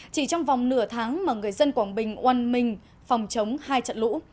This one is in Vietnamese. chỉ trong vòng nửa tháng mà người dân quảng bình oan mình phòng chống hai trận lũ